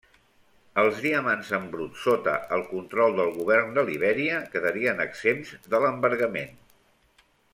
Els diamants en brut sota el control del govern de Libèria quedarien exempts de l'embargament.